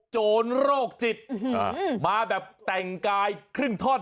โจรโรคจิตมาแบบแต่งกายครึ่งท่อน